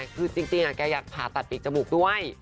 คือจริงแกอยากผ่าตัดปีกจมูกด้วย